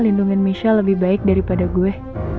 lindungin michelle lebih baik daripada gue